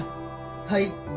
はい。